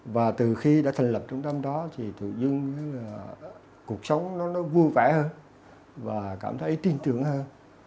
và từ khi đã thành lập trung tâm đó thì tự dưng là cuộc sống nó vui vẻ hơn và cảm thấy tin tưởng hơn